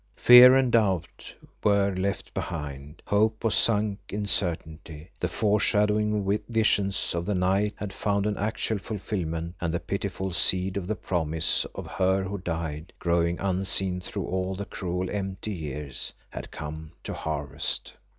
Fear and doubt were left behind, hope was sunk in certainty; the fore shadowing visions of the night had found an actual fulfilment and the pitiful seed of the promise of her who died, growing unseen through all the cruel, empty years, had come to harvest.